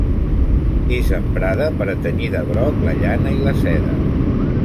És emprada per a tenyir de groc la llana i la seda.